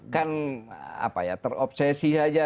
kan apa ya terobsesi saja